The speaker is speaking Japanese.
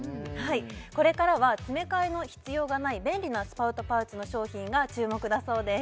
これからは詰め替えの必要がない便利なスパウトパウチの商品が注目だそうです